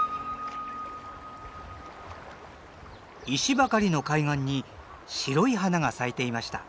石ばかりの海岸に白い花が咲いていました。